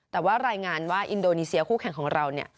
แต่ว่ารายงานว่าอินโดนีเซียคู่แข่งของเราเนี่ย